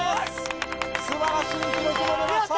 素晴らしい記録が出ました！